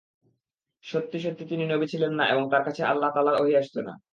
সত্যি সত্যি তিনি নবী ছিলেন না এবং তার কাছে আল্লাহ তাআলার ওহী আসত না।